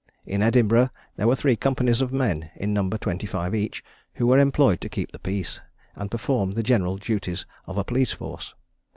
In Edinburgh there were three companies of men, in number twenty five each, who were employed to keep the peace, and perform the general duties of a police force.